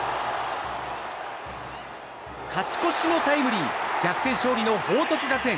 勝ち越しのタイムリー逆転勝利の報徳学園。